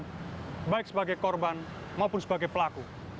yang dianggap sebagai korban maupun sebagai pelaku